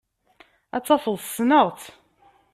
Ad tafeḍ ssneɣ-tt.